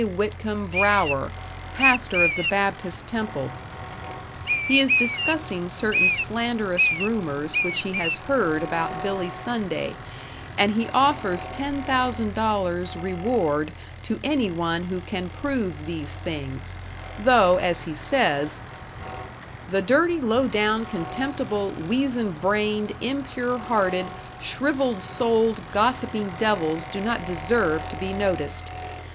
Whitcomb Brougher, pastor of the Baptist Temple. He is discussing certain slanderous rumors which he has heard about Billy Sunday, and he offers ten thousand dollars reward to anyone who can prove these things; though, as he says, The dirty, low down, contemptible, weazen brained, impure hearted, shrivelled souled, gossipping devils do not deserve to be noticed....